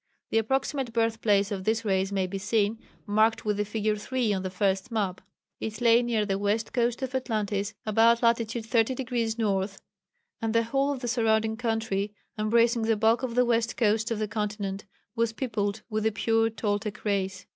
The approximate birthplace of this race may be seen, marked with the figure 3, on the first map. It lay near the west coast of Atlantis about latitude 30° North, and the whole of the surrounding country, embracing the bulk of the west coast of the continent, was peopled with a pure Toltec race.